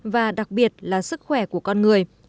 và đặc biệt là sức khỏe của con người